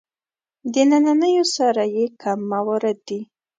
د نننیو سره یې کم موارد دي.